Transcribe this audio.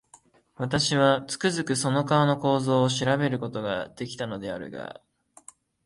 私は、つくづくその顔の構造を調べる事が出来たのであるが、